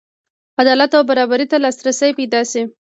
عدالت او برابرۍ ته لاسرسی پیدا شي.